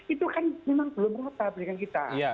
itu kan memang belum rata berikan kita